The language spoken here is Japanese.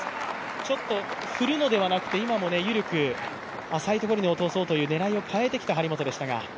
ちょっと振るのではなくて今のも緩く浅いところに落とそうという張本でしたが。